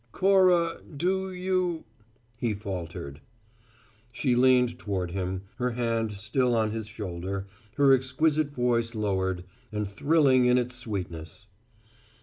"Cora, do you " He faltered. She leaned toward him, her hand still on his shoulder, her exquisite voice lowered, and thrilling in its sweetness.